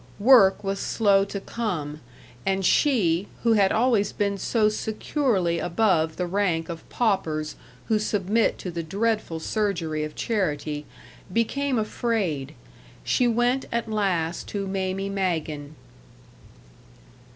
Work was slow to come, and she, who had always been so securely above the rank of paupers who submit to the dreadful surgery of charity, became afraid. She went at last to Mamie Magen.